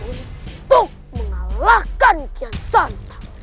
untuk mengalahkan kian santa